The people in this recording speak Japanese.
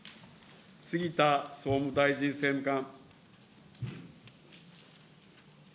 杉田総務大臣政務官。